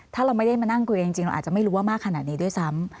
ถ้าเราไม่ได้มานั่งคุยกันจริงเราอาจจะไม่รู้ว่ามากขนาดนี้ด้วยซ้ำ